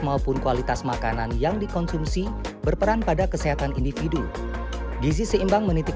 maupun kualitas makanan yang dikonsumsi berperan pada kesehatan individu gizi seimbang menitik